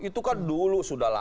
itu kan dulu sudah lama